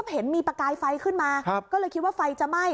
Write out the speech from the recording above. เห็นมีประกายไฟขึ้นมาก็เลยคิดว่าไฟจะไหม้